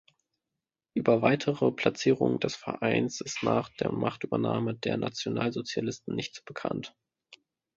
Über weitere Platzierungen des Vereins ist nach der Machtübernahme der Nationalsozialisten nichts bekannt.